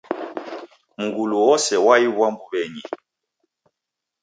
Mngulu wose waiw'a mbuw'enyi